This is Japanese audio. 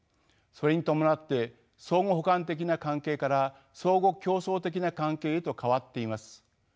それに伴って相互補完的な関係から相互競争的な関係へと変わっています。